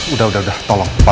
udah udah udah tolong